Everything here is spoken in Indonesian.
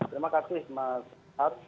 terima kasih mas har